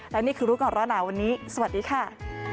และนี่คือรู้ก่อนร้อนหนาวันนี้สวัสดีค่ะ